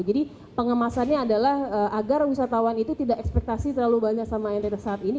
jadi pengemasannya adalah agar wisatawan itu tidak ekspektasi terlalu banyak sama entret saat ini